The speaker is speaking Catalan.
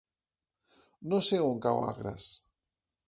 No sé on cau Agres.